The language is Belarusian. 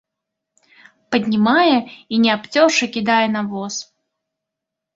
Паднімае і не абцёршы кідае на воз.